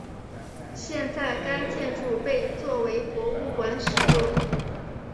现在该建筑被作为博物馆使用。